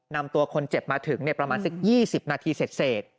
นำตัวคนเจ็บมาถึงประมาณสัก๒๐นาทีเสร็จ